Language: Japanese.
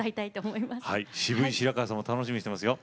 渋い白川さんも楽しみにしてますよ。